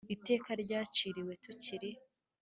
Iteka ryaciriwe kuri Tiri.